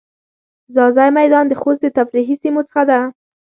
ځاځی میدان د خوست د تفریحی سیمو څخه ده.